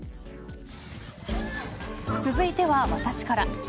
続いては私から。